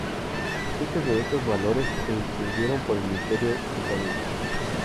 Muchos de estos valores se extendieron por el Imperio Británico.